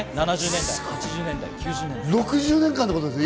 ７０年代、８０年代、９０年代もです。